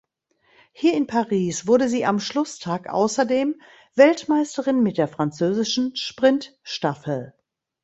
Hier in Paris wurde sie am Schlusstag außerdem Weltmeisterin mit der französischen Sprintstaffel.